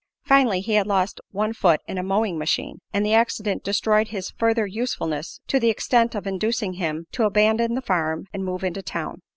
Finally he had lost one foot in a mowing machine, and the accident destroyed his further usefulness to the extent of inducing him to abandon the farm and move into town.